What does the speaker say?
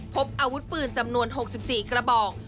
พบอาวุธปืนจำนวน๖๔กระบอก